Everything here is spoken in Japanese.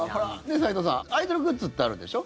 齊藤さん、アイドルグッズってあるでしょ？